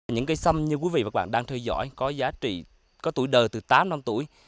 những cây xâm như quý vị và các bạn đang theo dõi có giá trị có tuổi đời từ tám năm tuổi